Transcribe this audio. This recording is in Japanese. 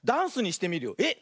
えっ！